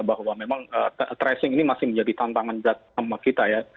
bahwa memang tracing ini masih menjadi tantangan kita ya